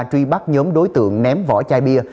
truy bắt nhóm đối tượng ném vỏ chai bia